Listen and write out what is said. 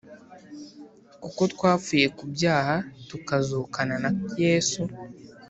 kuko twapfuye ku byaha tukazukana na Yesu